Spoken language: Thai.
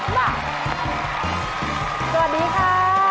สวัสดีค่ะ